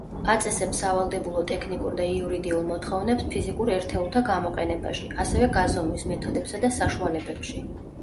აწესებს სავალდებულო ტექნიკურ და იურიდიულ მოთხოვნებს ფიზიკურ ერთეულთა გამოყენებაში, ასევე გაზომვის მეთოდებსა და საშუალებებში.